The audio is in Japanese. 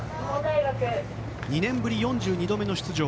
２年ぶり４２度目の出場。